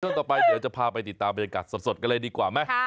ต่อไปเดี๋ยวจะพาไปติดตามบรรยากาศสดกันเลยดีกว่าไหม